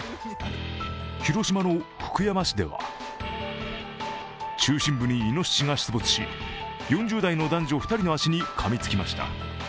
広島の福山市では中心部にイノシシが出没し４０代の男女２人の足にかみつきました。